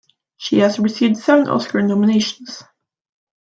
She has received seven Oscar nominations.